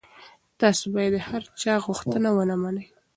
تاسي باید د هر چا غوښتنه ونه منئ.